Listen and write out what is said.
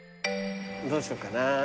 どうしよっかな。